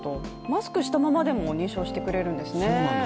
マスクしたままでも認証してくれるんですね。